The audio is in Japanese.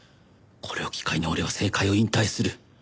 これを機会に俺は政界を引退する。